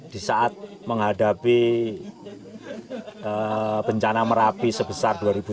di saat menghadapi bencana merapi sebesar dua ribu sepuluh